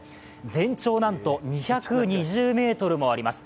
全長なんと２２０ｍもあります。